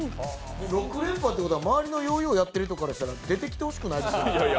６連覇ということは、周りのヨーヨーやってる人からしたら出てきてほしくないですね。